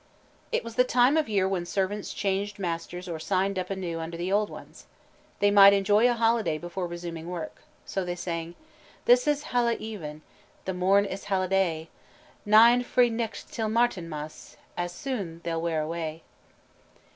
It was the time of year when servants changed masters or signed up anew under the old ones. They might enjoy a holiday before resuming work. So they sang: "This is Hallaeven, The morn is Halladay; Nine free nichts till Martinmas, As soon they'll wear away."